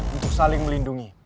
untuk saling melindungi